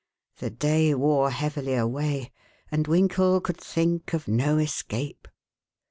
The day wore heavily away, and Winkle could think of no escape.